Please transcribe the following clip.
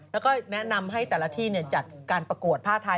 แล้วก็แนะนำให้แต่ละที่จัดการประกวดผ้าไทย